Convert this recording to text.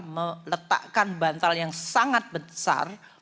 meletakkan bantal yang sangat besar